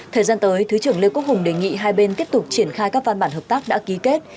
thời gian tới thứ trưởng lê quốc hùng đề nghị hai bên tiếp tục triển khai các văn bản hợp tác đã ký kết